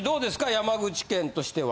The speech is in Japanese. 山口県としては。